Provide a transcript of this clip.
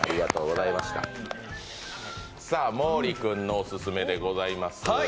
毛利君のオススメでございます。